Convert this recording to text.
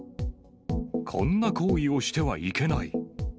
こんな行為をしてはいけない。